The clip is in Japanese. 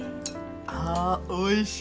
あおいしい！